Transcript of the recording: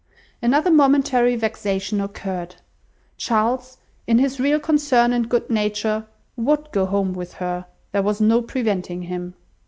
Another momentary vexation occurred. Charles, in his real concern and good nature, would go home with her; there was no preventing him.